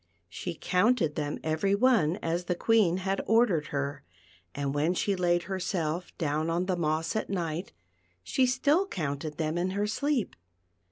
She counted them every one as the Queen had ordered her, and when she laid herself down on the moss at night she still counted them in her sleep.